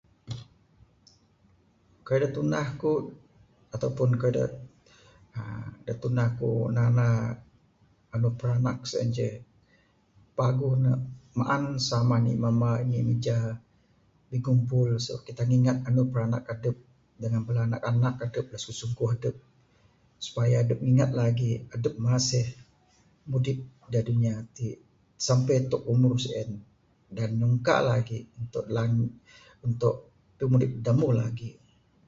Kayuh da tunah aku, ataupun kayuh da aaa da tunah ku nana anu branak sien ceh paguh ne maam samah ndi mamba ndi mija, bigumpul sabab kita ngingat anu branak adep dengan bala anak adep da susungkuh adep, supaya dep ngingat lagi, adep masih mudip da dunia ti, sampe tok umur sien, dengan nyungka lagi untuk lan ... untuk pimudip damuh lagi.